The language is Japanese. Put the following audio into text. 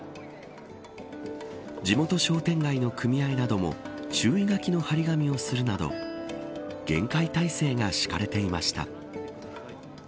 地元商店街の組合なども注意書きの張り紙をするなど厳戒態勢が敷かれていました。